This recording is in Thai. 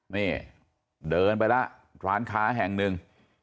นี่เดินไปแล้วร้านค้าแห่งหนึ่ง